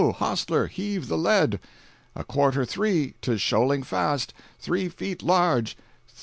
Ho, hostler, heave the lead!" "A quarter three!—'tis shoaling fast! Three feet large!